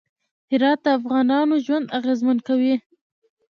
هرات د افغانانو ژوند اغېزمن کوي.